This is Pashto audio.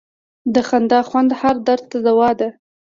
د خندا خوند هر درد ته دوا ده.